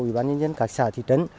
ủy ban nhân dân các xã thị trấn